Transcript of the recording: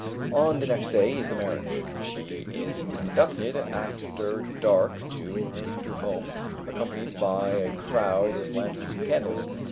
On the next day is the marriage. She is conducted after dark to her future home, accompanied by a crowd with lanterns and candles.